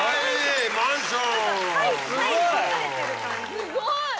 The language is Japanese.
すごい！